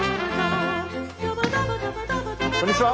こんにちは！